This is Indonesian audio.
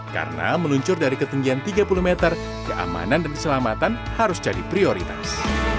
karena meluncur dari ketinggian tiga puluh meter keamanan dan keselamatan harus jadi prioritas